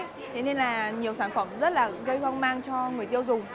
thế nên là nhiều sản phẩm rất là gây hoang mang cho người tiêu dùng